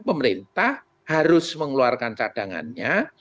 pemerintah harus mengeluarkan cadangannya